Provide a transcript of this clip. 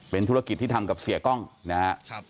เป็นธุรกิจที่ทำกับเสียกล้องนะครับ